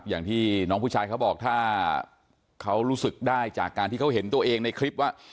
อย่างที่น้องผู้ชายเขาบอกถ้าเขารู้สึกได้จากการที่เขาเห็นตัวเองในคลิปว่า